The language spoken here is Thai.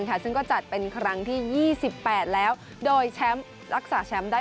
ซึ่งก็จัดเป็นครั้งที่๒๘แล้วโดยแชมป์รักษาแชมป์ได้